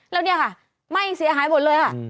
แล้วเนี่ยค่ะไหม้เสียหายหมดเลยค่ะ